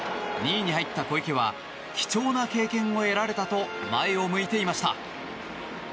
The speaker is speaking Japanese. ２位に入った小池は貴重な経験を得られたと前を向いていました。